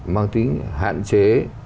mang tính hạn chế